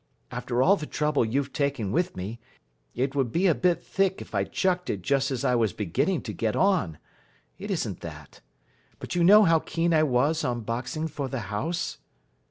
"After all the trouble you've taken with me, it would be a bit thick if I chucked it just as I was beginning to get on. It isn't that. But you know how keen I was on boxing for the house?"